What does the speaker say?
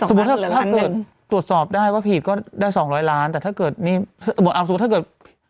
ถ้าเกิดตรวจสอบได้ว่าผิดก็ได้สองร้อยล้านแต่ถ้าเกิดนี่บอกเอาสมมุติถ้าเกิด